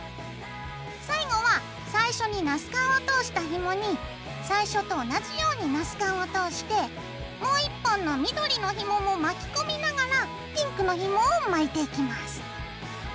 最後は最初にナスカンを通したひもに最初と同じようにナスカンを通してもう１本の緑のひもも巻き込みながらピンクのひもを巻いていきます。